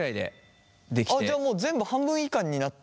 あっじゃあもう全部半分以下になっていく。